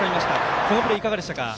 このプレー、いかがでしたか。